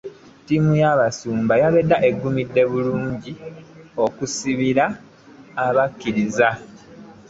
Ttiimu y'abasumba yabadde eggumidde bulungi okusabira abakkiriza.